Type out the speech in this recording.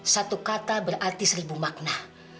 satu kata berarti seribu makna